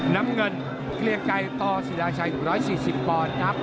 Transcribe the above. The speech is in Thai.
น้ำเงินเกลียงไกรต่อศิราชัย๑๔๐ปอนด์ครับ